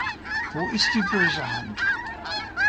Wo ist die böse Hand?